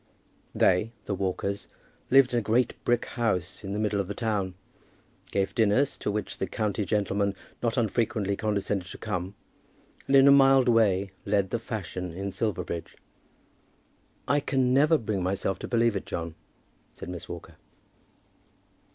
They, the Walkers, lived in a great brick house in the middle of the town, gave dinners, to which the county gentlemen not unfrequently condescended to come, and in a mild way led the fashion in Silverbridge. "I can never bring myself to believe it, John," said Miss Walker.